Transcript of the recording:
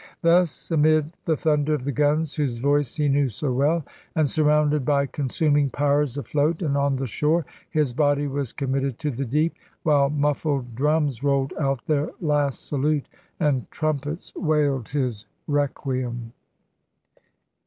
Thus, amid the thunder of the guns whose voice he knew so well, and surrounded by consuming pyres afloat and on the shore, his body was committed to the deep, while muffled drums rolled out their last salute and trumpets wailed his requiem.